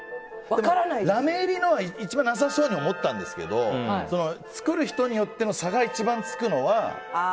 ラメ入りのは一番なさそうに思ったんですけど作り人によっての差が一番つくのは。